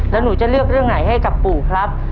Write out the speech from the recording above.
แล้วหนูจะเลือกเรื่องไหนให้กับปู่ครับ